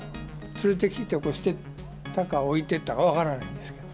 連れてきて捨てたか、置いていったかは分からないですけど。